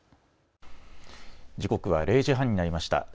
時刻は０時半になりました。